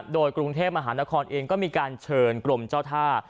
โดยกรุงเทพมหานครเองก็มีการเชิญกรมเจ้าท่า